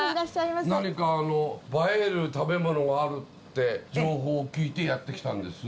何か映える食べ物があるって情報を聞いてやって来たんです。